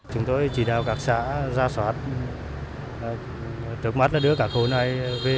chúng tôi chỉ đào các xã ra soát trước mắt là đứa cả khối này